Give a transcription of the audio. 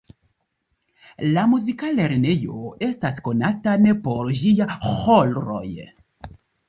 La muzika lernejo estas konatan por ĝia ĥoroj.